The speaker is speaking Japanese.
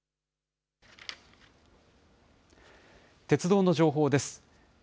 鉄道の情報です。